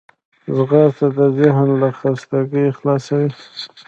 ځغاسته د ذهن له خستګي خلاصوي